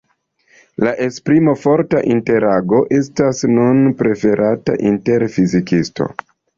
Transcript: La esprimo "forta interago" estas nun preferata inter fizikistoj.